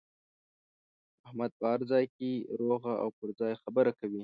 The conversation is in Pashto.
احمد په هر ځای کې روغه او پر ځای خبره کوي.